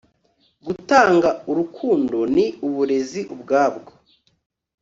gutanga urukundo ni uburezi ubwabwo